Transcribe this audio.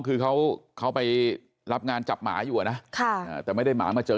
คือเขาไปรับงานจับหมาอยู่นะแต่ไม่ได้หมามาเจอ